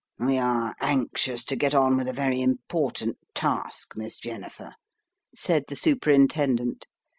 "We are anxious to get on with a very important task, Miss Jennifer," said the Superintendent.